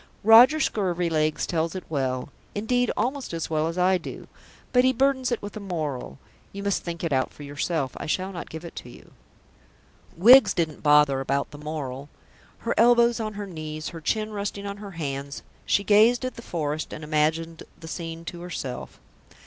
Roger Scurvilegs tells it well indeed, almost as well as I do but he burdens it with a moral. You must think it out for yourself; I shall not give it to you. Wiggs didn't bother about the moral. Her elbows on her knees, her chin resting on her hands, she gazed at the forest and imagined the scene to herself.